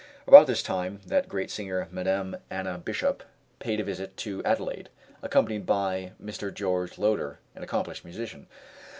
About this time that great singer Madame Anna Bishop paid a visit to Adelaide, accompanied by Mr. George Loder, an accomplished musician.